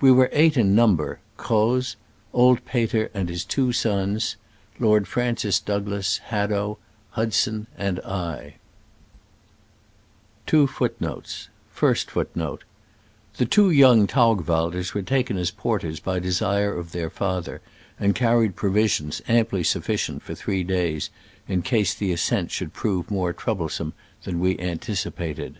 We were eight in number — Croz, old Peter and his two sons,* Lord Francis Doug • The two young Taugwalders were taken as por ters by desire of their father, and carried provisions amply sufficient for three days, in case the ascent should prove more troublesome than we anticipated.